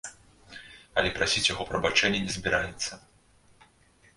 Але прасіць у яго прабачэння не збіраецца.